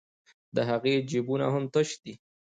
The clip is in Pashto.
د هغې جېبونه هم تش دي